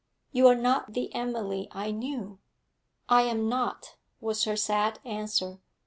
You are not the Emily I knew.' 'I am not,' was her sad answer.